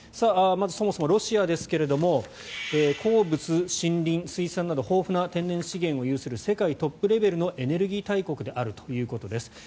そもそもロシアですが鉱物、森林、水産など豊富な天然資源を有する世界トップレベルのエネルギー大国ということです。